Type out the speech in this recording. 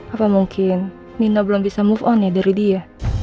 apa mungkin nina belum bisa move on ya dari dia